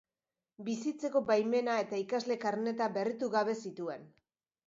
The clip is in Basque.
Bizitzeko baimena eta ikasle karneta berritu gabe zituen.